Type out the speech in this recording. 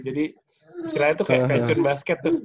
jadi istilahnya tuh kayak pensiun basket tuh